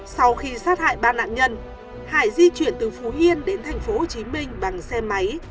sau khi sát hại ba nạn nhân hải di chuyển từ phú yên đến tp hcm bằng xe máy